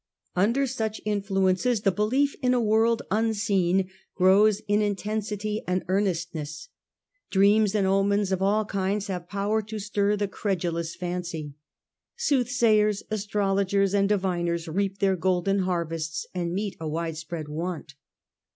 Under such influences the belief in a world unseen grows in intensity and earnestness; dreams and omens of all kinds have power to stir the credulous fancy; sooth sayers, astrologers, and diviners reap their golden har vests and meet a widespread want.